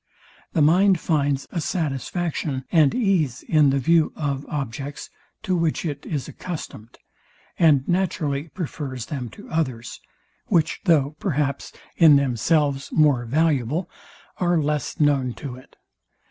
The mind finds a satisfaction and ease in the view of objects, to which it is accustomed, and naturally prefers them to others, which, though, perhaps, in themselves more valuable, are less known to it.